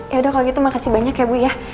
yaudah kalo gitu makasih banyak ya bu ya